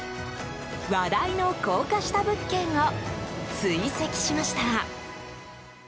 話題の高架下物件を追跡しました。